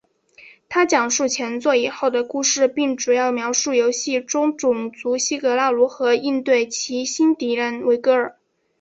它讲述前作以后的故事并主要描述游戏中的种族希格拉如何应对其新敌人维格尔。